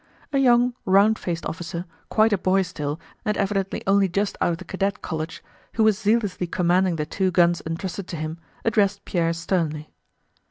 A young round faced officer, quite a boy still and evidently only just out of the Cadet College, who was zealously commanding the two guns entrusted to him, addressed Pierre sternly.